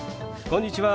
こんにちは！